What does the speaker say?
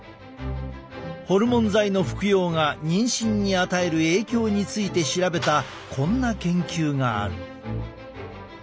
ホルモン剤の服用が妊娠に与える影響について調べたこんな研究がある。